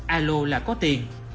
alo là có tiền